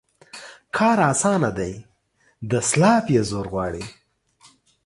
کار اسانه دى ، دسلاپ يې زور غواړي.